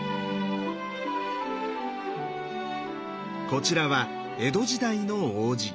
こちらは江戸時代の王子。